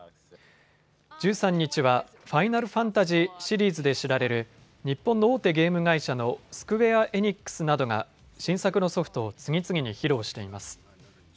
１３日はファイナルファンタジーシリーズで知られる日本の大手ゲーム会社のスクウェア・エニックスなどが新作のソフトを次々に披露しています。